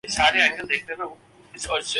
وہ ظاہر ہو چکی ہیں۔